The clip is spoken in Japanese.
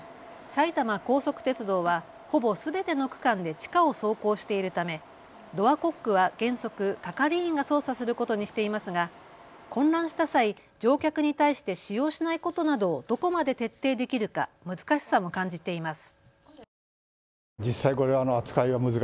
埼玉高速鉄道は、ほぼすべての区間で地下を走行しているためドアコックは原則、係員が操作することにしていますが混乱した際、乗客に対して使用しないことなどをどこまで徹底できるか難しさも感じています。